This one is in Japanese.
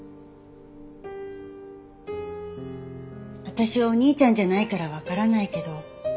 私はお兄ちゃんじゃないからわからないけど。